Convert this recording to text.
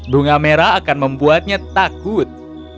bunga merah akan membuatnya takut